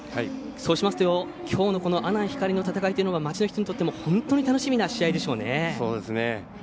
そうしますときょうのこの阿南光の戦いというのは町の人にとっても本当に楽しみな試合でしょうね。